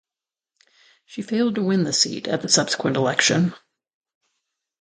She failed to win the seat at the subsequent election.